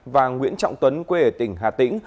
và nguyễn trọng tuấn quê ở tỉnh hà tĩnh